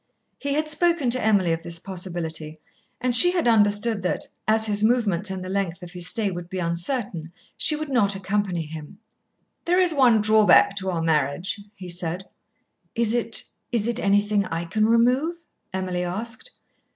He had spoken to Emily of this possibility, and she had understood that, as his movements and the length of his stay would be uncertain, she would not accompany him. "There is one drawback to our marriage," he said. "Is it is it anything I can remove?" Emily asked.